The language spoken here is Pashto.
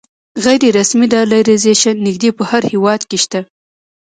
غیر رسمي ډالرایزیشن نږدې په هر هېواد کې شته.